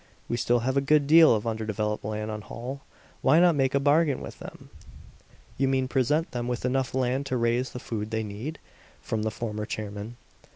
We still have a good deal of underdeveloped land on Holl; why not make a bargain with them?" "You mean present them with enough land to raise the food they need?" from the former chairman.